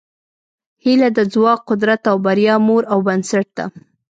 هیله د ځواک، قدرت او بریا مور او بنسټ ده.